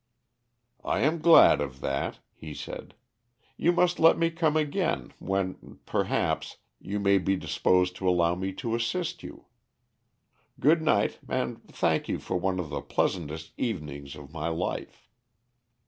"I am glad of that," he said. "You must let me come again, when, perhaps, you may be disposed to allow me to assist you. Good night and thank you for one of the pleasantest evenings of my life."